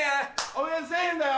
おめん１０００円だよ！